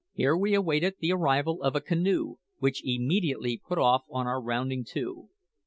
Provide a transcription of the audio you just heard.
Here we awaited the arrival of a canoe, which immediately put off on our rounding to.